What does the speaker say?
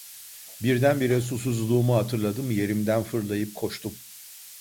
Birdenbire susuzluğumu hatırladım, yerimden fırlayıp koştum.